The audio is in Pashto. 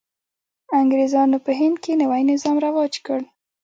انګرېزانو په هند کې نوی نظام رواج کړ.